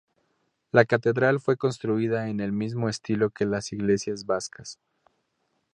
La catedral fue construida en el mismo estilo que las iglesias vascas.